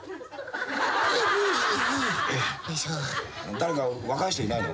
誰か若い人いないの？